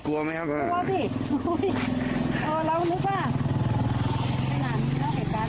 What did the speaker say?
กลัวไหมครับครับว่าสิโอ้ยเรานึกว่าไม่นานได้เหตุการณ์